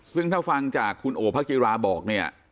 ซึ่งถ้าฟังจากคุณโอพระจิราบอกเนี่ย